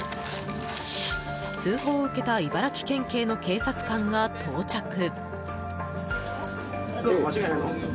通報を受けた茨城県警の警察官が到着。